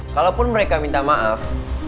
kalaupun mereka minta maaf